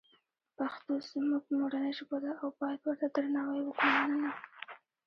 پښتوزموږمورنی ژبه ده اوبایدورته درناوی وکومننه